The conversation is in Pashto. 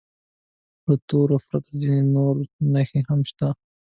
له تورو پرته ځینې نورې نښې هم شته.